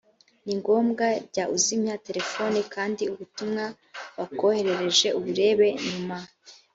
ni ngombwa jya uzimya terefoni kandi ubutumwa bakoherereje uburebe nyuma.